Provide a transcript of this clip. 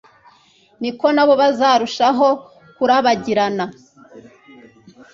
ni ko na bo bazarushaho kurabagirana